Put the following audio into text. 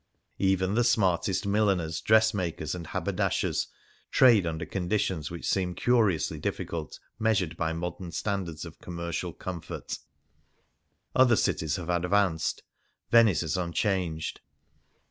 Even the smartest milliners, dressmakers, and haberdashers trade under conditions which seem curiously difficult measured by modern stand ards of commercial comfort. Other cities have advanced, Venice is unchanged.